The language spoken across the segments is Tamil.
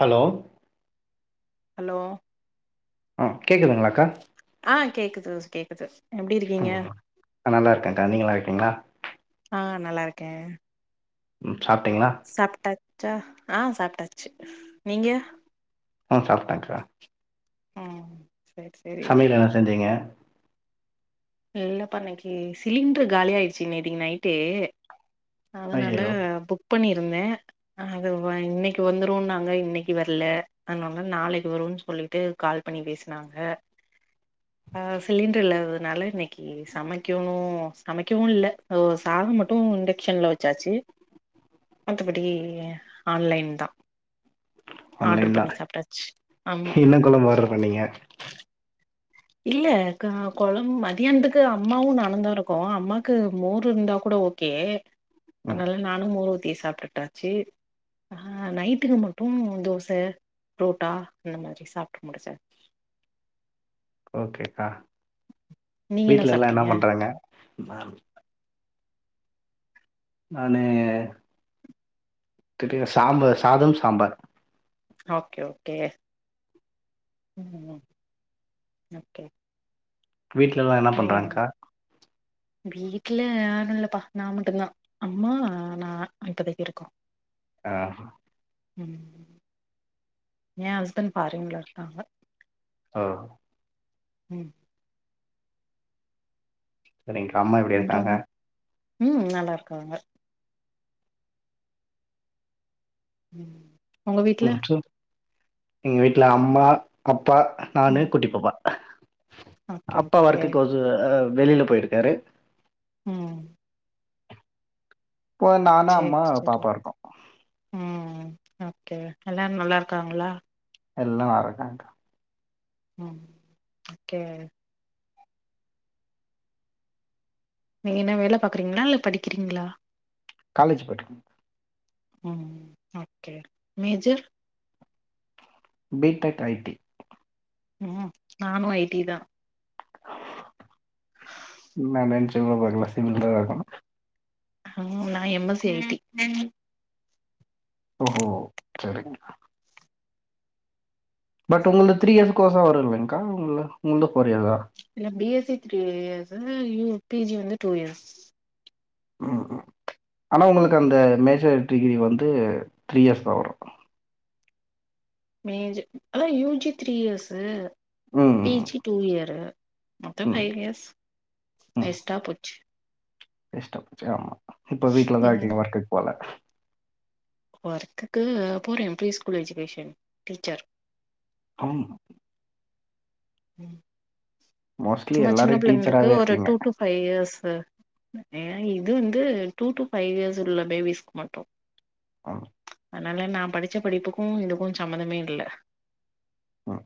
ஹலோ ஹலோ ஆ கேக்குதுங்ளாக்கா ஆ கேக்குது கேக்குது எப்டி இருக்கீங்க நல்லா இருக்கேக்கா நீங்க நல்லா இருக்கீங்ளா க்க ம் சாப்ட்டாச்சா ஆ சாப்ட்டாச்சு நீங்க சாப்டன்க்கா ம் சேரி சேரி சமயல் என்ன செஞ்சீங்க இல்லப்பா இன்னக்கு சிலிண்டரு காலி ஆயிடுச்சு நேதக்கி நைட்டே அதனால ஐயையோ பு புக் பண்ணியிருந்தே அது இன்னைக்கு வந்துருனாங்க இன்னைக்கு வர்ல அனால நாளைக்கு வருனு சொல்லிட்டு கால் பண்ணி பேசினாங்க ஆ சிலிண்டர் இல்லாதுனால ஏ சமக்கணு சமைக்கவு இல்ல சாதம் மட்டு இண்டெக்சன்ல வச்சாச்சு மற்றபடி ஆன்லைன் தா ஆர்டர் ஆன்லைன் தா பண்ணி சாப்ட்டாச்சு ஆமா என்ன குழம்பு ஆர்டர் பண்ணீங்க [unintelligible] இல்ல குழம்பு மதியானத்துக்கு அம்மாவு நானுந்தா இருக்கோ அம்மாக்கு மோர் இருந்தா கூட ஓகே ம் அதனால நானு மோர் சாப்டுட்டாச்சு நைட்டுக்கு மட்டு தோச புரோட்டா அந்த மாரி சாப்டு முடுச்சாச்சு ஓகேக்கா நீங்க வீட்ல எல்லா என்ன சாப்ட்டீங்க பண்றாங்க [unintelligible] நானு தெரிய சாம்பார் சாதம் சாம்பார் ஓகே ஓகே ம் ஹ் ஓகே வீட்ல எல்லா என்ன நீங்க பண்றாங்கா வீட்ல யாரு இல்லப்பா நா மட்டுதா அம்மா நா இப்பதைக்கு இருக்கோ ஆஹ் ஏன் ஹஸ்பன் ஃபாரீன்ல இருக்காங்க ஆ ம் செரிங்க அம்மா எப்டி அப்றோ இருக்காங்க ம் நல்லா இருக்காங்க உம் உங்க வீட்ல ம் சொல் எங்க வீட்ல அம்மா அப் அப்பா நானு ம் குட்டி பாப்பா ஓகே அப்பா ஓகே வர்க்கு வந்து அ வெளியில போயிருக்காரு உம் இப்ப நானு சேரி அம்மா சேரி பாப்பா இருக்கோ ம் ஓகே எல்லாரு நல்லா இருக்காங்களா எல்லா நல்லார்காங்க உம் ஒக்கே நீங்க என்ன வேல பாக்குறீங்களா இல்ல படிக்கிறீங்களா காலேஜ் படிக்குற உம் okay major B tech I T உம் நானு ஐ டி தா நா நெச்சுகூட பாக்கலா [unintelligible] ஆஹ் நா எம் எஸ் சி ஐடி உம் ஓஹோ சரிங்க பட் உங்களுக்கு த்ரீ இயர்ஸ் கோசா வரு இலல் கா உங்க உங்களுக்கு [unintelligible] இல்ல B S C three years PG வந்து டூ இயர்ஸ் ஆஹ் ஆஹ் ஆனா உங்களுக்கு அந்த ம் மேஜர் டிகிரி வந்து த்ரீ இயர்ஸ் தா வரு மேஜர் ஆதாஹ் யூஜி த்ரீ இயர்ஸு ம் பி ஜி டூ இயர் மொத்த ம் ஃபைவ் இயர்ஸ் வேஸ்டா போச்சு வேஷ்டா போச்சு ஆமா இப்ப வீட்ல தா ம் இருக்கீங்க ஒர்க்குக்கு போல ஒர்க்குக்கு போற ப்ரீ ஸ்கூல் எஜுகேஷன் டீச்சர் ஆஹ் உம் மோஸ்ட்லி சும்மா சின்ன எல்லாரும் பிள்ளைங்களுக்கு டீச்சராகவே ஒரு இருக்கீங்க டூ டூ ஃபைவ் இயர்ஸ் ஏ இது வந்து டூ டு ஃபைவ் இயர்ஸ் உள்ள பேபிஸ்க்கு மட்டும் ஆஹ் அதனால நா படிச்ச படிப்புக்கோ இதுக்கும் சம்மந்தமே இல்ல ம்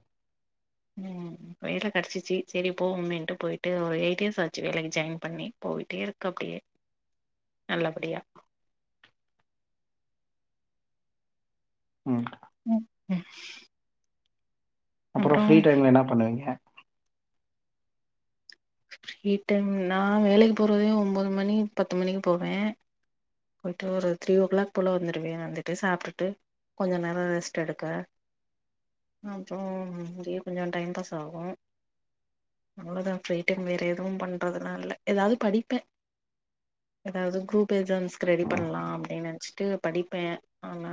உம் வேல கெடச்சிச்சி செரி போமே இன்ட்டு போயிட்டு ஒரு எயிட் இயர்ஸ் ஆச்சு வேலைக்கு ஜாயின் பண்ணி போயிட்டே இருக்கு அப்டியே நல்லபடியா உம் [inaudible] அப்புறோ அப்றோ ஃப்ரீ டைம்ல என்ன பண்ணுவீங்க ஃப்ரீ டைம் நா வேலைக்கு போறதே ஒன்பது மணி பத்து மணிக்கு போவே போயிட்டு ஒரு த்ரீ ஓ கிளாக் போல வந்துடுவே வந்துட்டு சாப்புட்டுட்டு கொஞ்சோ நேரோ ரெஸ்ட் எடுக்க அப்புறோ அப்டியே கொஞ்சோ டைம் பாஸ் ஆகோ அவ்ளோதா ஃப்ரீ டைம் வேற எதுவு பண்றதுலாம் இல்ல ஏதாவது படிப்பே ஏதாவது குரூப் எக்ஸாம்ஸ்கு ரெடி ம் பண்ணலாம் அப்டின்னு நெனச்சிட்டு படிப்பே ஆனா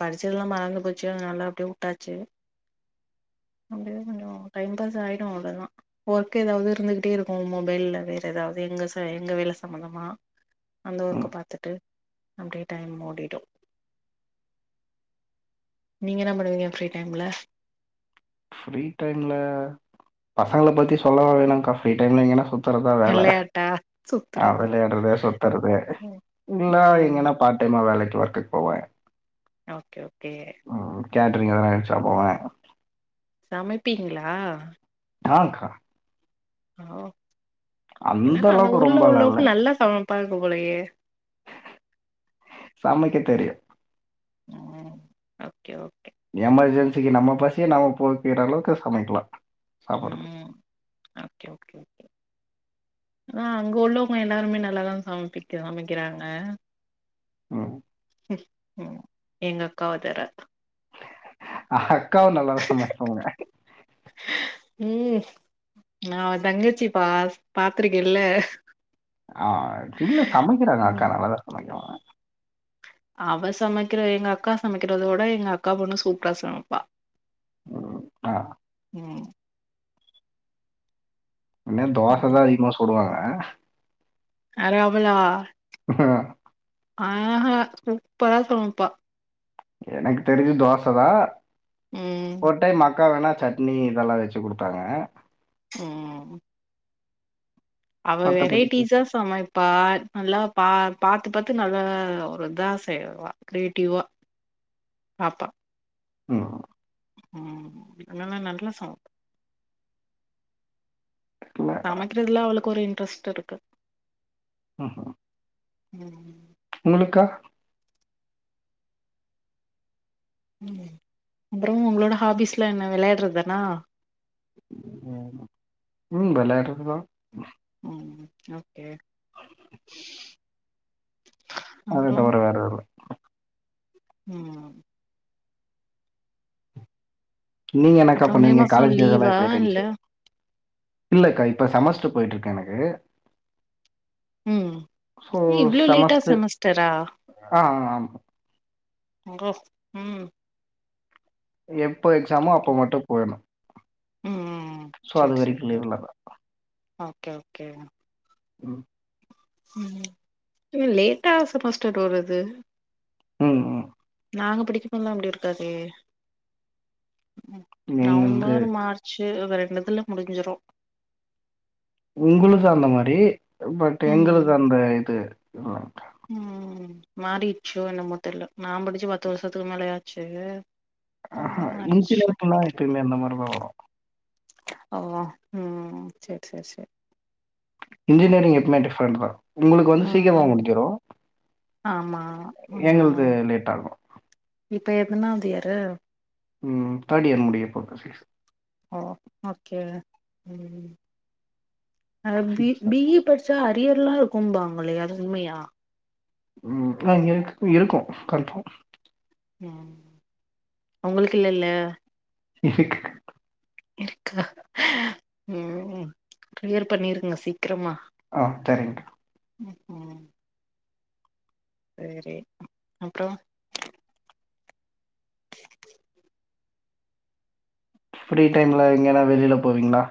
படிச்சதெல்லா மறந்து போச்சு அதனால அப்டியே உட்டாச்சு அப்டியேகொஞ்சோ டைம் பாஸ் ஆயிடு அவ்வளவுதான் ஒர்க் எதாவது இருந்துகிட்டே இருக்கோ மொபைல்ல வேற எதாவது எங்க சை வேல சம்பந்தமா அந்த ஒர்க ம் பாத்துட்டு அப்டியே டைம் ஓடிடோ நீங்க என்ன பண்ணுவீங்க ஃப்ரீ டைம்ல ஃப்ரீ டைம்ல பசங்கள பத்தி சொல்லாவா வேணுக்கா ஃப்ரீ டைம்ல எங்கனா சுத் சுத்துறதா வேல வெளையாட்டா ஆஹ் சுத்துறதா வெளையாடுறது சுத்துறது இல்லா ம் எங்கன்னா பார்ட் டைமா வேலைக் ஒர்க்குக்கு போவே ஓகே ஓகே உம் கேட்ரிங் வேல எதனா கெடச்சா போவே சமைப்பீங்களா ஆஹக்கா ஒ என்னப்பா அந்த அளவுக்கு ஊர்ல ரொம்பலாம் இல்ல. உள்ளவங்க நல்லா சமைப்பாகங்க போலையே சமைக்க தெரியும். உஹம் ஓகே எமர்ஜென்சிக்கு நம்ம பசிய நம்ம போக்கிற அளவுக்கு சமைக்கலா உம் ஓகே ஓகே ஆ அங்க உள்ளவங்க எல்லாருமே நல்லாதா சமைப்பிக் சமைக்கிறாங்க உஹ் உம் உம் எங்க அக்காவ தவர ஆஹ அக்காவும் நல்லா தா சமைப்பாங்க உம் நா அவ தங்கச்சி பா பாத்திருக்கேன்ல ஆஹ் இல்ல சமைக்கிறாங்க ம் அக்கா நல்லதா சமைக்கி அவ சமைக்கிற எங்க அக்கா சமைக்கிறதோட எங்க அக்கா பொண்ணு சூப்பரா சமைப்பா உம் ஆஹ் உம் என்ன தோச தா அதிகமா சுடுவாங்க ஆஹ் யாரு அவலா ஆஹ் ஆஹஹா சூப்பரா சமைப்பா எனக்கு தெரிஞ்சி தோசதா ம் ஒரு டைம் அக்கா வேணா சட்னி இதெல்லா வெச்சு குடுத்தாங்க உம் அவ மத்தபடிக்கு வெரைட்டிஸா சமைப்பா நல்லா பா பாத்து பாத்து நல்லா ஒரு இதா செய்வா க்ரியேட்டிவ்வா பாப்பா உம் உம் அதனால நல்ல சமப் இல்ல. சமைக்கிறதுல அவளளுக்கு ஒரு ட்ரெஸ்ட் இருக்கு ம்ம் உம் உங்களுக்கா அப்புறோ உங்களோட ஹாபீஸ்ல என்ன விளையாடுறதுதானா உம் உம் வெளாட்றதுதா உம் ஏ அது தவற வேறதுல்ல உம் நீங்க என்னக்கா அப்புறோ மே பண்ணுவீங்க மாசோ காலேஜ் டேஸ் எல்லா லீவா எப்டி இல்ல இருந்துச்சு இல்லக்கா இப்போ செமஸ்டர் போய்ட்டு இருக்கு எனக்கு உம் சோ இவ்ளோ லேட்டா செமஸ்டர் செமஸ்டரா ஆ ர உம் ஏ ப்போ எக்ஸாமோ அப்ப மட்டு போயணு ம் சோ அது சேரி சேரி வரைக்கு சேரி லீவ்ல தா ஓகே ஓகே உம் உம் லேட்டா செமஸ்டர் வருது உம் உம் நாங்க படிக்கப்போதா அப்டி இருக்காதே ம் எங்களது நவம்பர் மார்ச் வே ரண்டுதுல முடிஞ்சிரும் உங்களு சார்ந்த மாரி பட் எங்களுக்கு அந்த இது ஆ உம் மாறிடுச்சோ என்னமோ தெரில்ல நா படிச்சு பத்து வருஷத்துக்கு மேலயாச்சு ஆஹா இன்ஜினியரிங்க்கல்லா எப்பயுமே அந்த மாரிதா வரும் ஓ உம் சரி சரி சரி இன்ஜினியரிங் எப்பவுமே டிஃப்ரண்ட் தா உங்களுக்கு வந்து சீக்கிரமா ம் முடிஞ்சிடு ஆமா எங்கலுது ம் லேட் ஆகு இப்ப எதுனாது இயரு உம் தேர்ட் இயர் முடிய போ சிக்ஸ் ஓ ஓகே உம் அ சிக்ஸ் பீ இ படிச்சா ஆரியர்ல்லாம் இருக்கும்பாங்களெ அது உண்மையா உம் [unintelligible] இரு இருக்கும் கண்ஃபார்ம் உங்களுக்கு இல்லல இருக்கு இருக்கா உம் கிளியர் பண்ணிருங்க சீக்கிரமா ஆ சரிங்கா ம் ம் செரி அப்றம் ஃப்ரீ டைம்ல எங்கன்னா வெளியில போவீங்களா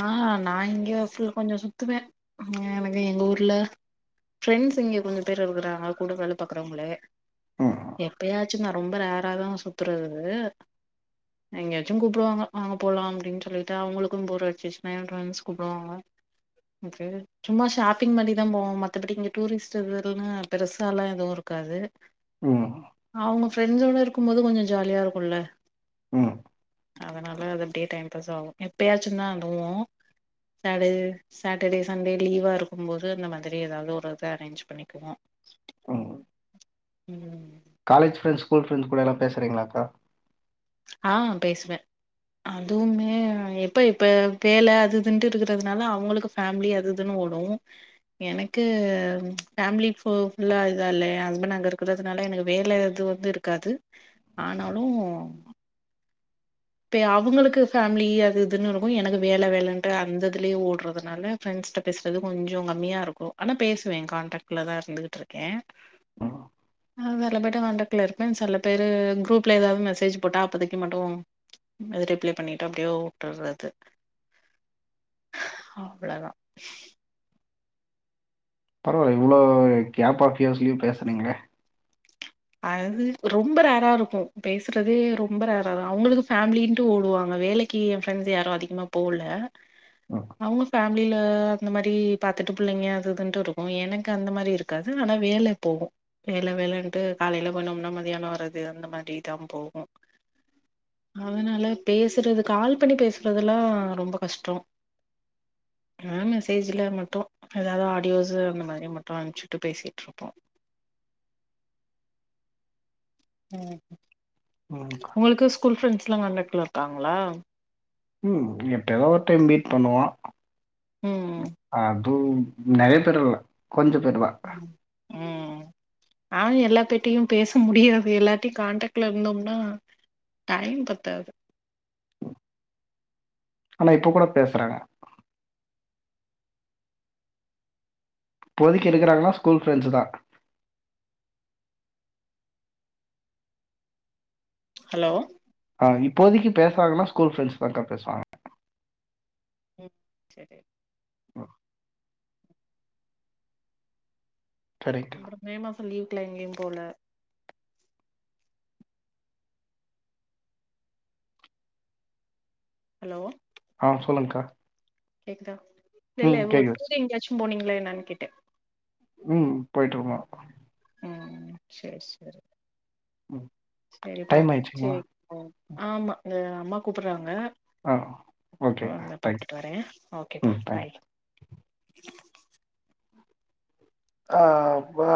ஆஹ்ஹ நான் இங்கய கொஞ்சம் சுத்துவேன் வெளிய எங்க ஊர்ல ஃப்ரெண்ட்ஸ் இங்க கொஞ்சம் பேர் இருக்கறாங்க கூட வேல பாக்குறவங்களே ம். எப்பயா சுதான் ரொம்ப ரேரா தான் சுத்துறது எங்கயாச்சும் கூப்புடுவாங்க வாங்க போலாம் அப்டினு சொல்லிட்டு அவங்களுக்கும் போர் அடிச் ச்சுதுனா கூப்புடுவாங்க சும்மா ஷாப்பிங் மாரிதான் போவோம் மத்தபடி இங்க டூரிஸ்ட் இதுன்னு பெருசா எல்லாம் எதுவும் இருக்காது ம் அவங்க ஃப்ரெண்ட்ஸோட இருக்கும் போது கொஞ்சம் ஜாலியாக இருக்கும்ல உம் அதனால அது அப்படியே டைம் பாஸ் ஆகும் எப்பயாச்சும் தா போவோம் சாட்ட சாட்டர்டே சண்டே லீவா இருக்கும் போது அந்த மாதிரி ஏதாவது ஒரு ப அரேஞ்ச் பண்ணிக்குவோம் ம் உம் காலேஜ் ஃப்ரண்ட்ஸ் ஸ்கூல் ஃப்ரெண்ட் கூடலாம் பேசுறீங்களாக்கா ஆஹ் பேசுவன் அதுவுமே எப்ப இப்ப வேல அதுதுன்ட்டு இருக்குறதுனால அவங்களுக்கு ஃபேமிலி அது இதுன்னு ஓடும் எனக்கு ஃபேமிலி ஃபுல்லா இதா இல்லயா ஹஸ்பண்ட் அங்க இருக்கறதுனால எனக்கு வேல எது வந்து இருக்காது ஆனாலும் பே அவங்களுக்கு ஃபேமிலி அது இதுன்னு இருக்கும் எனக்கு வேல வேலன்ட்டு அந்த இதுலயே ஓடுறதுனால ஃப்ரெண்ட்ஸிட்ட பேசுறது கொஞ்சம் கம்மியா இருக்கும் ஆனா பேசுவேன் கான்டாக்ட்ல தான் இருந்துகிட்டு இருக்கேன் ம். சில பேர்ட்ட காண்டாக்ட்ல இருப்பேன் சில பேர் குரூப்ல ஏதாவது மெசேஜ் போட்டா அப்போதைக்கு மட்டும் து ரிப்ளை பண்ணிட்டு அப்படியே விட்டுறது அவ்வளதான் பரவாயில்ல இவ்வளோ கேப் [unintelligible] பேசுறீங்க அது ரொம்ப ரேரா இருக்கும் பேசுறதே ரொம்ப ரேரா தான் அவங்களுக்கு ஃபேமிலின்ட்டு ஓடுவாங்க வேலைக்கு என் ஃப்ரெண்ட்ஸ் யாரும் அதிகமா போல ம். அவங்க ஃபேமிலியில அந்த மாதிரி பாத்துட்டு பிள்ளைங்க அதுதுன்ட்டு இருக்கும் எனக்கு அந்த மாரி இருக்காது ஆனா வேல போகும் வேல வேலனு காலில போனம்னா மத்தியானம் வறது அந்த மாரி தான் போகும் அதனால பேசுறது கால் பண்ணி பேசுறதுலா ரொம்ப கஷ்டம் மெசுஜல மட்டும் ஏதாவது ஆடியோஸு அந்த மாரி மட்டும் அன்ப்சிட்டு பேசிட்டு இருப்போம் ம் ம். அக்கா. உங்களுக்கு ஸ்கூல் ஃப்ரெண்ட்ஸ் லா காண்டக்ட்ல இருக்காங்களா ம் எப்பயா ஒரு டைம் மீட் பண்ணுவோம் ம் ஆஹ் ம் நறைய [unintelligible] கொஞ்சம் பேரு தா நானும் எல்லாதட்டையும் பேச முடியாது எல்லாத்தையும் கான்டாக்ட்ல இருந்தோம்னா டைம் பத்தாது ஆனா இப்ப கூட பேசுறாங்க இபோதைக்கு எடுக்கிறாங்கனா ஸ்கூல் ஃப்ரெண்ட்ஸ் தான் ஹலோ இப்போதைக்கு பேசுறாங்கன்னா ஸ்கூல் ஃப்ரெண்ட்ஸ் மட்டும் தான் பேசுவாங்க உம் செரி ஒ சரிங்கக்கா. [inaudible] மே மாச லீவ் இல்ல எங்கையும் போல ஹலோ ஆ சொல்லுங்க்கா [unintelligible] இல்ல [unintelligible] போனீங்களே என்னன்னு கேட்டேன் ம் போயிட்டு வருவான் ஹம் சரி சரி ம். செரிபா டைம் ஆயிடுச்சுங்களா? செரி ம் ஆமா எங்க அம்மா கூப்பிறாங்க ஆ. ம் ஓகேக்கா. நான் தேங்க்யூ. பாத்துட்டு வரேன் ஓகேப்பா ம். தேங்க்யூ. பாய் ஆ அப்பா